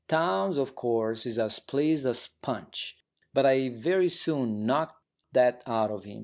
Townes, of course, is as pleased as Punch, but I very soon knocked that out of him.